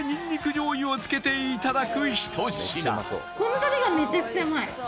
醤油をつけていただくひと品